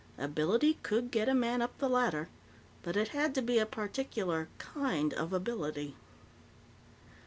Ability could get a man up the ladder, but it had to be a particular kind of ability.